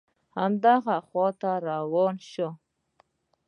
هماغه خواته روان شوم.